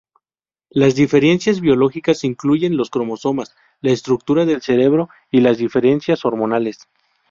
Las diferencias biológicas incluyen los cromosomas, la estructura del cerebro, y las diferencias hormonales.